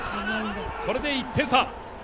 これで１点差。